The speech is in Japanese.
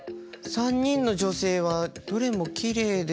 ３人の女性はどれもきれいですし。